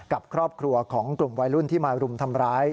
กับครอบครัวของกลุ่มวัยรุ่นที่มารุมทำร้าย